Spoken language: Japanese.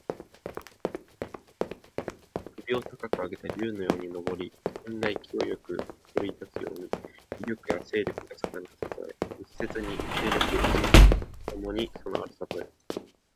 首を高く上げて竜のように上り、麒麟が勢いよく振るい立つように、威力や勢力が盛んなたとえ。一説に勢力・仁徳ともに備わるたとえ。